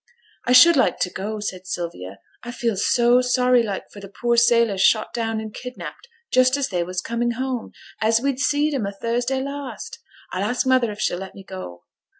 'I should like to go,' said Sylvia. 'I feel so sorry like for the poor sailors shot down and kidnapped just as they was coming home, as we see'd 'em o' Thursday last. I'll ask mother if she'll let me go.'